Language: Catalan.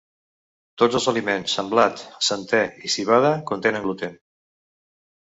Tots els aliments amb blat, centè i civada contenen gluten.